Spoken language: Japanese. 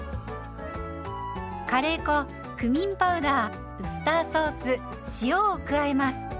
カレー粉クミンパウダーウスターソース塩を加えます。